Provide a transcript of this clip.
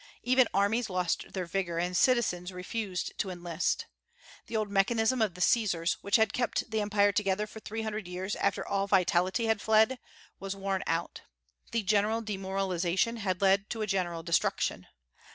Even armies lost their vigor, and citizens refused to enlist. The old mechanism of the Caesars, which had kept the Empire together for three hundred years after all vitality had fled, was worn out. The general demoralization had led to a general destruction.